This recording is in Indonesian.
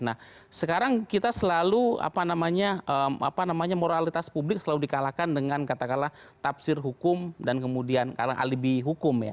nah sekarang kita selalu apa namanya apa namanya moralitas publik selalu dikalahkan dengan kata karla tafsir hukum dan kemudian alibi hukum ya